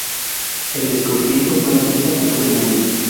El descubrimiento fue noticia en todo el mundo.